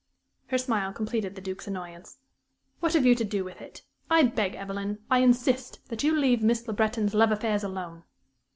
Her smile completed the Duke's annoyance. "What have you to do with it? I beg, Evelyn I insist that you leave Miss Le Breton's love affairs alone."